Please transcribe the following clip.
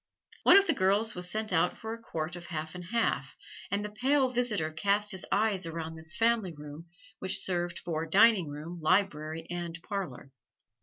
One of the girls was sent out for a quart of half and half, and the pale visitor cast his eyes around this family room, which served for dining room, library and parlor.